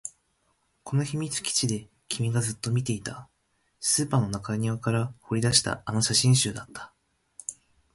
この秘密基地で君がずっと見ていた、スーパーの中庭から掘り出したあの写真集だった